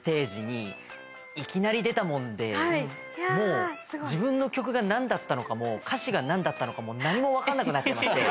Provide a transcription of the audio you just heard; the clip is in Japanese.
もう自分の曲が何だったのかも歌詞が何だったのかも何も分かんなくなっちゃいまして。